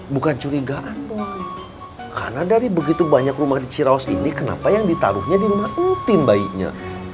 bukan curigaan po karena dari begitu banyak rumah di ciraos ini kenapa yang ditaruhnya di rumah entin bayinya